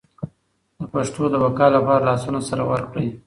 د پښتو د بقا لپاره لاسونه سره ورکړئ.